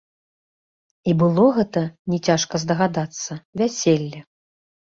І было гэта, не цяжка здагадацца, вяселле.